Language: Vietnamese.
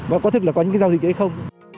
và có thực là có những cái giao dịch hay không